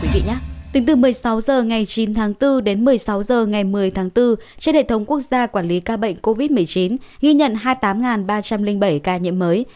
tính từ một mươi sáu h ngày chín tháng bốn đến một mươi sáu h ngày một mươi tháng bốn trên hệ thống quốc gia quản lý ca bệnh covid một mươi chín ghi nhận hai mươi tám ba trăm linh bảy ca nhiễm mới